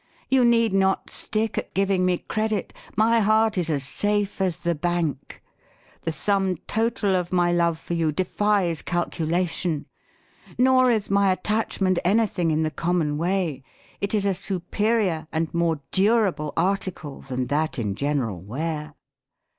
You need not stick at giving me credit ; my heart is as safe as the batik. The sum total of my love for you defies calculation. Nor is my attachment anything in the common way. It is a superior and more durable article than that in general wear.